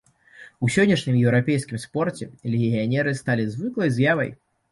У сённяшнім еўрапейскім спорце легіянеры сталі звыклай з'явай.